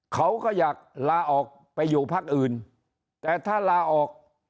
เขาก็อยากลาออกไปอยู่พักอื่นแต่ถ้าลาออก